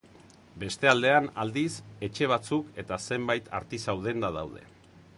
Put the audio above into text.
Beste aldean, aldiz, etxe batzuk eta zenbait artisau denda daude.